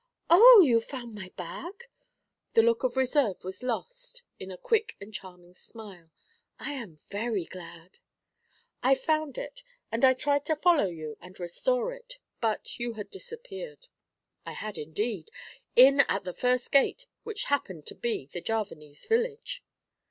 'Oh! you found my bag?' The look of reserve was lost in a quick and charming smile. 'I am very glad!' 'I found it, and I tried to follow you and restore it, but you had disappeared.' 'I had indeed; in at the first gate, which happened to be the Javanese Village.'